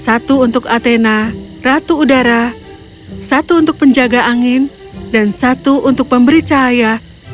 satu untuk atena ratu udara satu untuk penjaga angin dan satu untuk pemberi cahaya